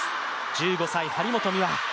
１５歳、張本美和。